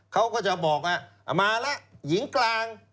เขาก็จะบอกว่ามาแล้วหญิงกลาง